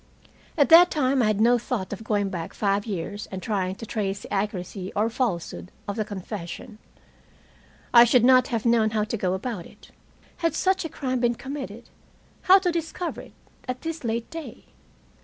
At that time I had no thought of going back five years and trying to trace the accuracy or falsehood of the confession. I should not have known how to go about it. Had such a crime been committed, how to discover it at this late day?